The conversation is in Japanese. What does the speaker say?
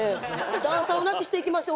「段差をなくしていきましょう」